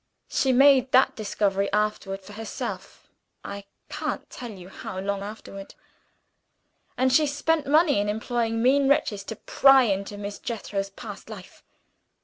She made that discovery afterward for herself (I can't tell you how long afterward); and she spent money in employing mean wretches to pry into Miss Jethro's past life.